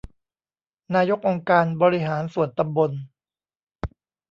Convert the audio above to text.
นายกองค์การบริหารส่วนตำบล